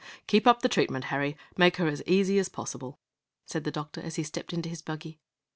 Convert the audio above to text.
"Keep up the treatment, Harry, and make her as easy as possible," said the doctor as he stepped into his buggy.